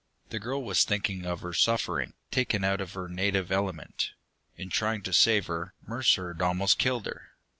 The girl was thinking of her suffering, taken out of her native element. In trying to save her, Mercer had almost killed her.